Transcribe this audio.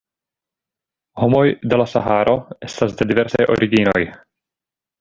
Homoj de la Saharo estas de diversaj originoj.